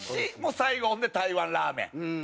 最後ほんで台湾ラーメン。